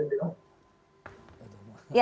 terima kasih juga